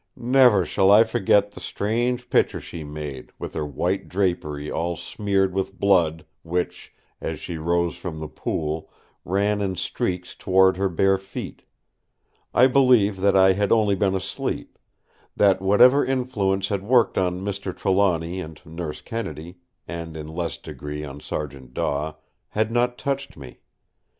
Never shall I forget the strange picture she made, with her white drapery all smeared with blood which, as she rose from the pool, ran in streaks toward her bare feet. I believe that I had only been asleep; that whatever influence had worked on Mr. Trelawny and Nurse Kennedy—and in less degree on Sergeant Daw—had not touched me.